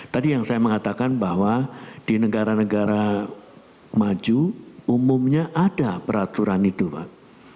tadi yang saya mengatakan bahwa di negara negara maju umumnya ada peraturan itu pak